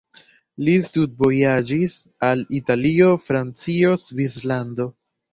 Li studvojaĝis al Italio, Francio, Svislando.